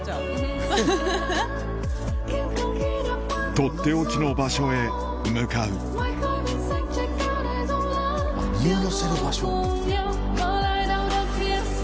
とっておきの場所へ向かう見下ろせる場所？